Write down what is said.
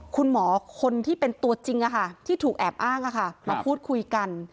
คุณหมอคนที่เป็นตัวจริงที่ถูกแอบอ้างมาพูดคุยกัน